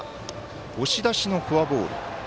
押し出しのフォアボール。